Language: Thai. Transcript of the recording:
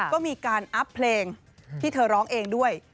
ก็มีการอัพเพลงที่เธอร้องเองด้วย